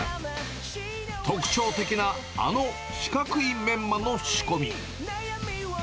特徴的なあの四角いメンマの仕込み。